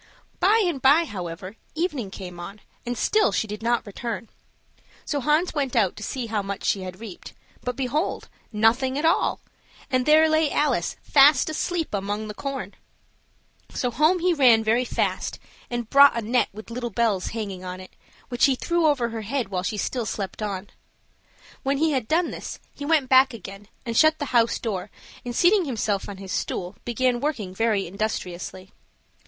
By and by, however, evening came on, and still she did not return; so Hans went out to see how much she had reaped; but, behold, nothing at all, and there lay Alice fast asleep among the corn! So home he ran very fast, and brought a net with little bells hanging on it, which he threw over her head while she still slept on. When he had done this, he went back again and shut to the house door, and, seating himself on his stool, began working very industriously.